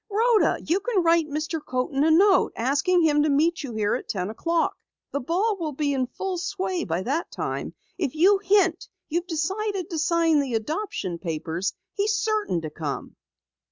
Rhoda, you can write Mr. Coaten a note, asking him to meet you here at ten o'clock. The ball will be in full sway by that time. If you hint you've decided to sign the adoption papers, he's certain to come."